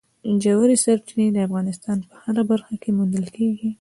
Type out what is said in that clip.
ژورې سرچینې د افغانستان په هره برخه کې موندل کېږي.